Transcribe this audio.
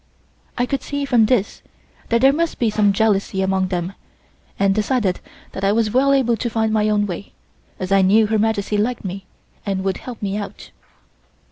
I could see from this that there must be some jealousy among them and decided that I was well able to find my own way, as I knew Her Majesty liked me and would help me out.